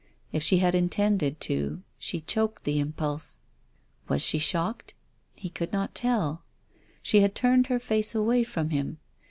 If she had intended to she choked the impulse. Was she shocked ? He could not tell. She had turned her face away from him.